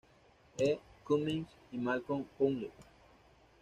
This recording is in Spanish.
E. Cummings y Malcolm Cowley.